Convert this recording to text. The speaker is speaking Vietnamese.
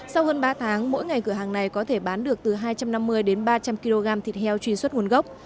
sau hơn ba tháng mỗi ngày cửa hàng này có thể bán được từ hai trăm năm mươi đến ba trăm linh kg thịt heo truy xuất nguồn gốc